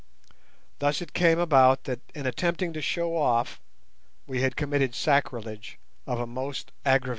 Thus it came about that in attempting to show off we had committed sacrilege of a most aggravated nature.